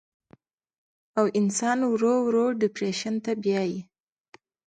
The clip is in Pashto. او انسان ورو ورو ډپرېشن ته بيائي